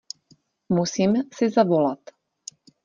Musím si zavolat.